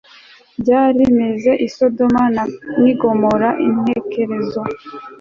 byari bimeze i Sodomu ni Gomora Intekerezo